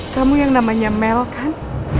kamu yang namanya mel kan